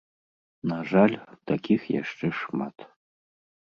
На жаль, такіх яшчэ шмат.